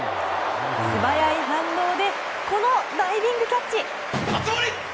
素早い反応でこのダイビングキャッチ！